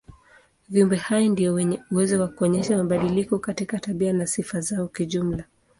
Viumbe hai ndio wenye uwezo wa kuonyesha mabadiliko katika tabia na sifa zao kijumla.